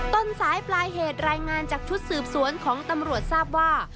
ต้นสายปลายเหตุรายงานจากชุดสืบสวนของตำรวจทราบว่า